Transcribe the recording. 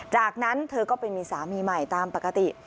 จากนั้นเธอก็ไปมีสามีใหม่ตามปกติ